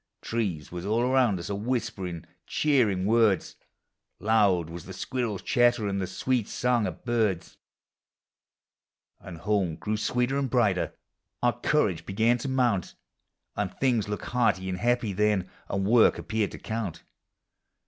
Trees was all around us, a whisperiu' cheering words ; Loud was the squirrel's chatter, and sweet the songs of birds; Digitized by Google THE HOME, 271 And home grew sweeter and brighter— our tour age begau to mount— And things looked hearty and happy then, and work appeared to count.